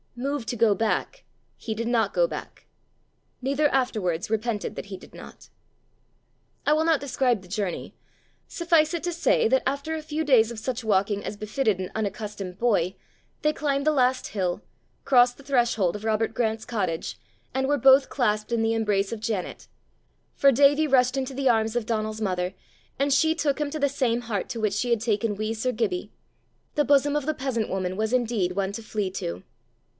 Moved to go back, he did not go back neither afterwards repented that he did not. I will not describe the journey. Suffice it to say that, after a few days of such walking as befitted an unaccustomed boy, they climbed the last hill, crossed the threshold of Robert Grant's cottage, and were both clasped in the embrace of Janet. For Davie rushed into the arms of Donal's mother, and she took him to the same heart to which she had taken wee sir Gibbie: the bosom of the peasant woman was indeed one to flee to.